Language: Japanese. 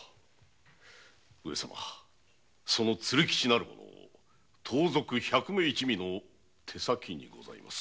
その鶴吉なる者盗賊・百目一味の手先にございます。